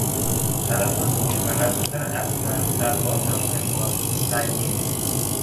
تلفات دشمن از نظر افسر، سرباز و مهمات سنگین بود.